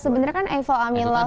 sebenarnya kan i fall in love